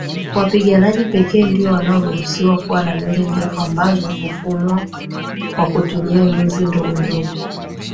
Wapiganaji pekee ndio wanaoruhusiwa kuwa na nywele ndefu ambazo hufumwa kwa kutumia nyuzi ndogondogo